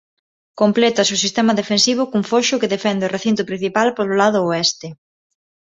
Complétase o sistema defensivo cun foxo que defende o recinto principal polo lado oeste.